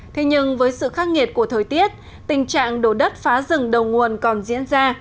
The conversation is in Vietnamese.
thế nhưng với sự khắc nghiệt của thời tiết tình trạng đổ đất phá rừng đầu nguồn còn diễn ra